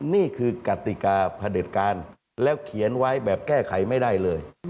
นี่คือกติกาพระเด็จการแล้วเขียนไว้แบบแก้ไขไม่ได้เลย